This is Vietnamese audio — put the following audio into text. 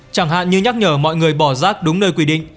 chẳng hạn như nhắc nhở mọi người bỏ rác đúng nơi quy định